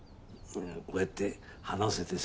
こうやって話せてさ。